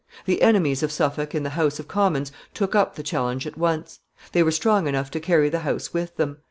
The enemies of Suffolk in the House of Commons took up the challenge at once. They were strong enough to carry the house with them.